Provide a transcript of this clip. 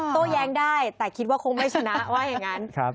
โต้แย้งได้แต่คิดว่าคงไม่ชนะว่าอย่างนั้น